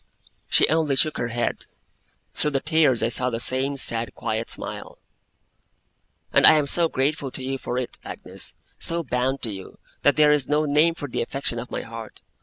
She only shook her head; through her tears I saw the same sad quiet smile. 'And I am so grateful to you for it, Agnes, so bound to you, that there is no name for the affection of my heart.